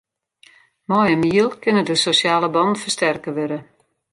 Mei in miel kinne de sosjale bannen fersterke wurde.